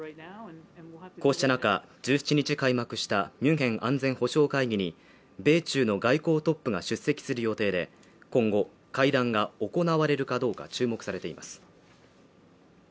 こうした中１７日開幕したミュンヘン安全保障会議に米中の外交トップが出席する予定で今後会談が行われるかどうか注目されています